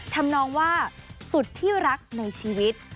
ทำนองว่าสุดที่รักในชีวิต